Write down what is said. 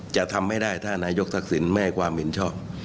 จะทำไม่ได้ถ้านายกทักษิณไม่ให้ความเห็นชอบ